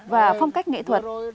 và phong cách nghệ thuật